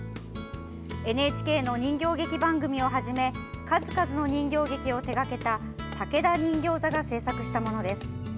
ＮＨＫの人形劇番組をはじめ数々の人形劇を手掛けた竹田人形座が制作したものです。